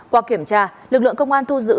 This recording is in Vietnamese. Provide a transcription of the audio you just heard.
qua kiểm tra lực lượng công an thu giữ